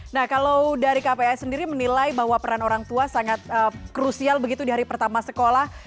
nah kalau dari kpai sendiri menilai bahwa peran orang tua sangat krusial begitu di hari pertama sekolah